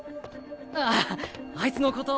あああいつのこと？